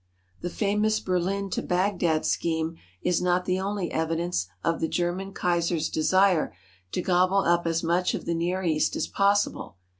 The famous Berlin to Bagdad scheme is not the only evidence of the German Kaiser's desire to gobble up as much of the Near East as possible.